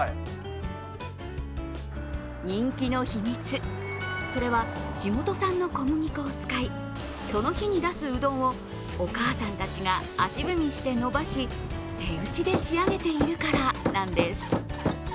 人気の秘密、それは地元産の小麦粉を使い、その日に出すうどんをお母さんたちが足踏みしてのばし手打ちで仕上げているからなんです。